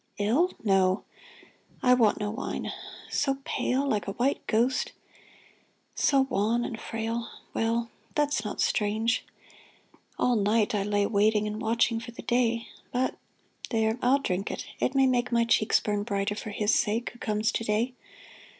Ill ? No ! (I want no wine.) So pale ? Like a white ghost, so wan and frail ? Well, that's not strange. All night I lay Waiting and watching for the day. But — there ! I'll drink it ; it may make My cheeks burn brighter for his sake Who comes to day.